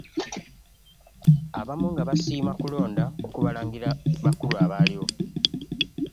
Abamu nga basiima kulonda ku Balangira bakulu abaaliwo.